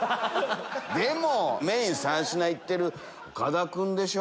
でもメイン３品いってる岡田君でしょ。